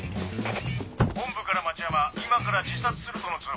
本部から町山今から自殺するとの通報。